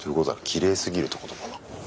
きれいすぎるってことかな？